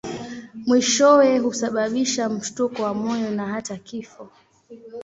Mwishowe husababisha mshtuko wa moyo na hata kifo.